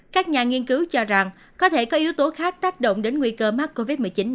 các nhà nghiên cứu cho rằng có thể có yếu tố khác tác động đến nguy cơ mắc covid một mươi chín